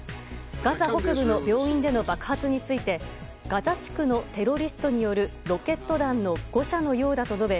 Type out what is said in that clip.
ガザ北部の病院での爆発についてガザ地区のテロリストによるロケット弾の誤射のようだと述べ